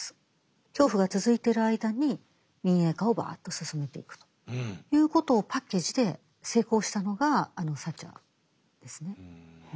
恐怖が続いてる間に民営化をバーッと進めていくということをパッケージで成功したのがあのサッチャーですね。